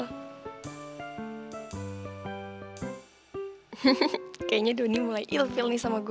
hehehe kayaknya donny mulai ill feel nih sama gue